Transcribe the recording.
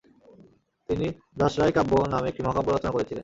তিনি দ্ব্যশরায় কাব্য নামে একটি মহাকাব্য রচনা করেছিলেন।